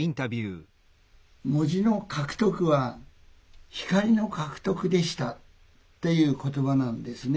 「文字の獲得は光の獲得でした」っていう言葉なんですね。